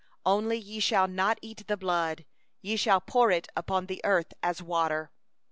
16Only ye shall not eat the blood; thou shalt pour it out upon the earth as water.